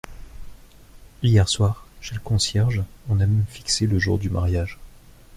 Hier soir, chez le concierge, on a même fixé le jour du mariage.